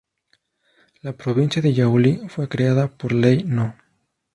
La provincia de Yauli fue creada por ley No.